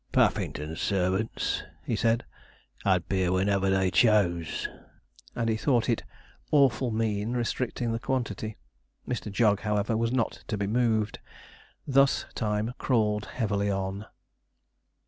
'Puffington's servants,' he said, 'had beer whenever they chose,' and he thought it 'awful mean' restricting the quantity. Mr. Jog, however, was not to be moved. Thus time crawled heavily on.